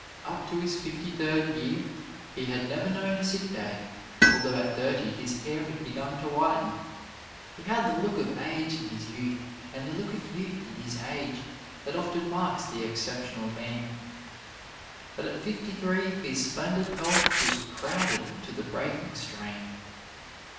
Up to his fifty third year he had never known a sick day, although at thirty his hair had begun to whiten. He had the look of age in his youth and the look of youth in his age that often marks the exceptional man. But at fifty three his splendid health was crowded to the breaking strain.